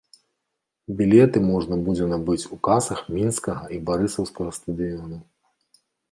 Білеты можна будзе набыць у касах мінскага і барысаўскага стадыёнаў.